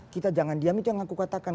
kita jangan diam itu yang aku katakan